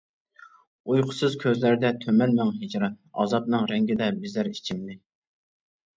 ئۇيقۇسىز كۆزلەردە تۈمەن مىڭ ھىجران، ئازابنىڭ رەڭگىدە بېزەر ئېچىمنى.